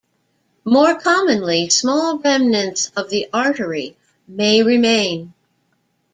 More commonly, small remnants of the artery may remain.